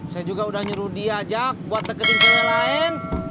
saya juga udah nyuruh dia jak buat deketin kue kue lain